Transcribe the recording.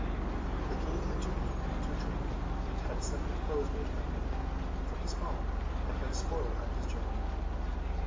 They gave him to eat and to drink, and had some new clothes made for him, for his own had been spoiled on his journey.